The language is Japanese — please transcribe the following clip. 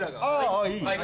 あぁいい？